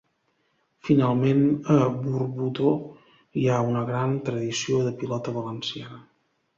Finalment, a Borbotó hi ha una gran tradició de pilota valenciana.